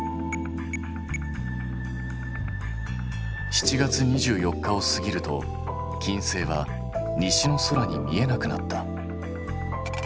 ７月２４日を過ぎると金星は西の空に見えなくなった。